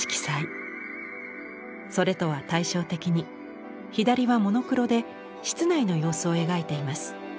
それとは対照的に左はモノクロで室内の様子を描いています。